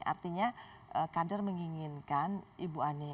artinya kader menginginkan ibu ani